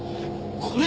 これ！